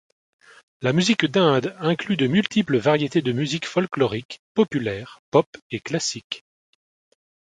La musique d'Inde inclut de multiples variétés de musique folklorique, populaire, pop et classique.